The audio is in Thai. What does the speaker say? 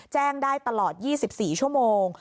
แจ้งได้ตลอด๒๔ชั่วโมง